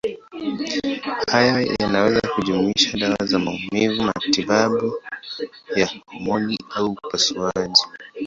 Haya yanaweza kujumuisha dawa za maumivu, matibabu ya homoni au upasuaji.